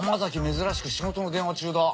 珍しく仕事の電話中だ。